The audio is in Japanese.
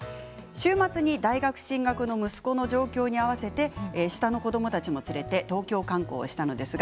週末に大学進学の息子の上京に合わせて下の子どもたちも連れて東京を観光しました。